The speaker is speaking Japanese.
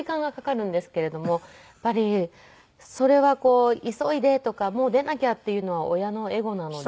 やっぱりそれは急いでとかもう出なきゃっていうのは親のエゴなので。